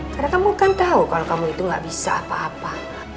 karena kamu kan tau kalau kamu itu gak bisa apa apa